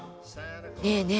ねえねえ。